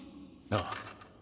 ああ。